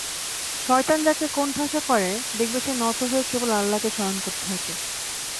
শয়তান যাকে কোণঠাসা করে, দেখবে সে নত হয়ে কেবল আল্লাহকে স্মরণ করতে থাকে।